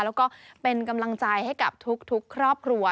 แล้วก็เป็นกำลังใจให้กับทุกครอบครัว